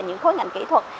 những khối ngành kỹ thuật